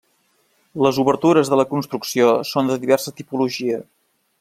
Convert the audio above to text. Les obertures de la construcció són de diversa tipologia.